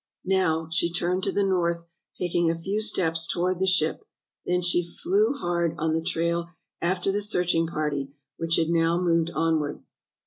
Now she turned to the north, taking a fev.* steps toward the ship, then she flew bank on the trail after the searching party, which had now moved onward.